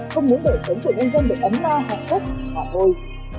không muốn đời sống của nhân dân được ấm lo hạnh phúc hòa vui